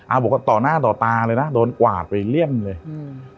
บอกว่าต่อหน้าต่อตาเลยนะโดนกวาดไปเลี่ยมเลยอืม